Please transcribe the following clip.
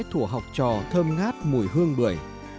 thùa học trò thơm ngát mùi hương bưởi